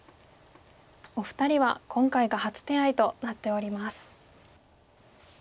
お二人は今回が初手合となっております。